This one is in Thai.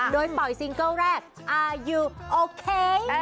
โดยปล่อยซิงเกอร์แรกอาร์ยูโอเค